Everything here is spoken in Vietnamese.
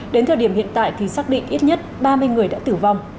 đến thời điểm hiện tại thì xác định ít nhất ba mươi người đã tử vong